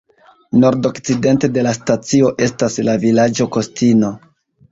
Nordokcidente de la stacio estas la vilaĝo Kostino.